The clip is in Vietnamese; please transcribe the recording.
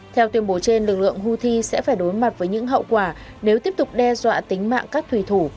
theo tuyên bố trên lực lượng houthi sẽ phải đối mặt với những hậu quả nếu tiếp tục đe dọa tính mạng các thủy thủ